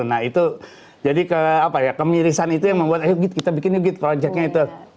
nah itu jadi kemirisan itu yang membuat ayo kita bikin yuk projectnya itu